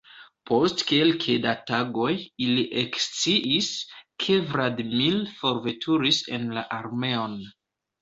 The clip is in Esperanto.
Post kelke da tagoj ili eksciis, ke Vladimir forveturis en la armeon.